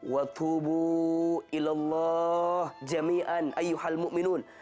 wa tubu ilallah jami'an ayyuhal mu'minun